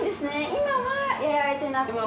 今はやられてなくて。